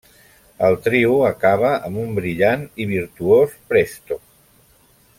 El trio acaba amb un brillant i virtuós Presto.